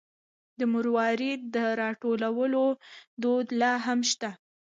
د مروارید د راټولولو دود لا هم شته.